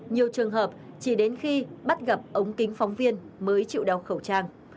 nhiều trường hợp chỉ đến khi bắt gặp ống kính phóng viên mới chịu đeo khẩu trang